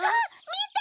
みて！